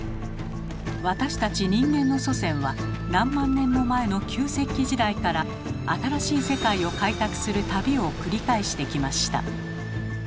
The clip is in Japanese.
私たち人間の祖先は何万年も前の旧石器時代から新しい世界を開拓する旅を繰り返してきました。